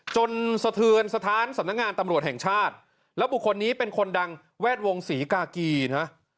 สะเทือนสถานสำนักงานตำรวจแห่งชาติแล้วบุคคลนี้เป็นคนดังแวดวงศรีกากีนะ